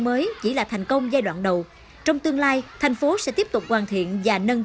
mới chỉ là thành công giai đoạn đầu trong tương lai thành phố sẽ tiếp tục hoàn thiện và nâng